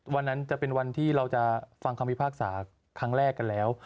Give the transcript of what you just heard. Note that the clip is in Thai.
วันนั้นจะเป็นวันที่เราจะฟังคำพิพากษาครั้งแรกกันแล้ว